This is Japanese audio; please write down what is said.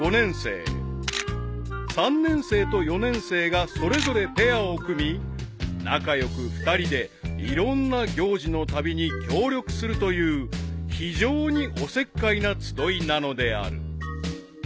［がそれぞれペアを組み仲良く２人でいろんな行事のたびに協力するという非常におせっかいな集いなのである］